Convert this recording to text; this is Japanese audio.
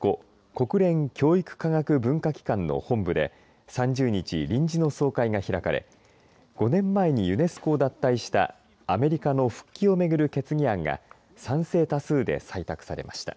国連教育科学文化機関の本部で３０日、臨時の総会が開かれ５年前にユネスコを脱退したアメリカの復帰を巡る決議案が賛成多数で採択されました。